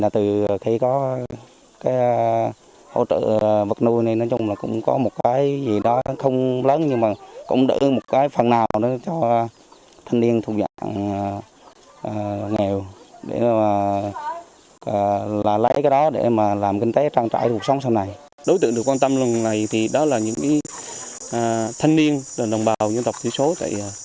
từ kinh nghiệm sẵn có ngoài hỗ trợ giống cây trồng vật nuôi tài điều kiện cho thanh niên khởi nghiệp